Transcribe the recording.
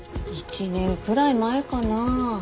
１年くらい前かな。